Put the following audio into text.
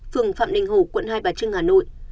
phường phạm đình hồ quận hai bà trưng hà nội